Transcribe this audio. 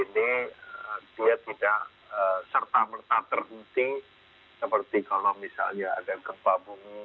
ini dia tidak serta merta terhenting seperti kalau misalnya ada gempa bumi